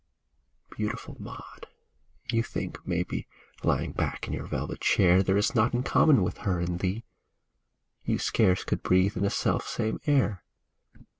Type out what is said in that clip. Beautiful Maud, you think, maybe, Lying back in your velvet chair, There is naught in common with her and thee, — You scarce could breathe in the self same air.